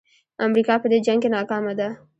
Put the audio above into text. امریکا په دې جنګ کې ناکامه ده.